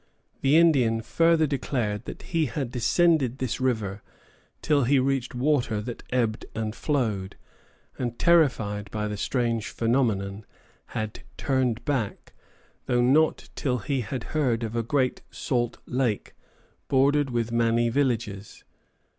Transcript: The Indian further declared that he had descended this river till he reached water that ebbed and flowed, and terrified by the strange phenomenon, had turned back, though not till he had heard of a great salt lake, bordered with many villages.